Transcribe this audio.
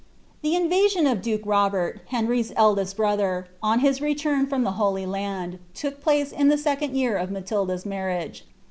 The invasion of duke Robert, Henry's eldest brother, on his return from the Holy Land, took place in the second year of Matilda's mar riage.